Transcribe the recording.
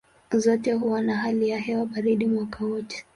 Zote huwa na hali ya hewa baridi mwaka wote.